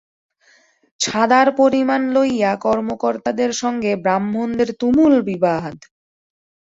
ছাঁদার পরিমাণ লইয়া কর্মকর্তাদের সঙ্গে ব্রাহ্মণদের তুমুল বিবাদ!